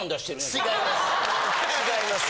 違います